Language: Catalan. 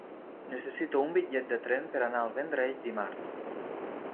Necessito un bitllet de tren per anar al Vendrell dimarts.